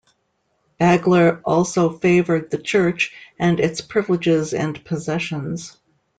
Bagler also favoured the church and its privileges and possessions.